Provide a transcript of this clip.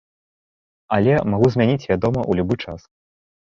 Але магу змяніць, вядома, у любы час.